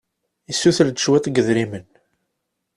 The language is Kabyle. Issuter-d cwiṭ n yidrimen.